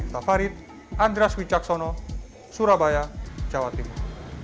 tafarid andras wijaksono surabaya jawa timur